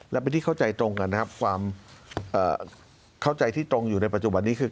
และเป็นที่เข้าใจตรงกันนะครับความเข้าใจที่ตรงอยู่ในปัจจุบันนี้คือ